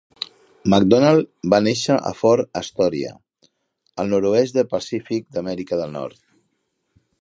MacDonald va néixer a Fort Astoria, al nord-oest del Pacífic d'Amèrica de Nord.